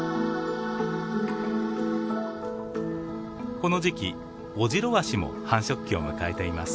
この時期オジロワシも繁殖期を迎えています。